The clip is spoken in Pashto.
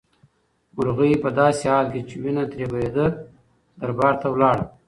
مرغۍ په داسې حال کې چې وینه ترې بهېده دربار ته لاړه.